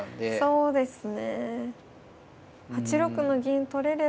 そうですね。